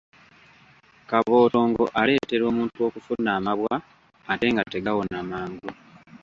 Kabootongo aleetera omuntu okufuna amabwa ate nga tegawona mangu.